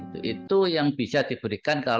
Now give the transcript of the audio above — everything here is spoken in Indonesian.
kepala me sabu lahir patricia rameh kudu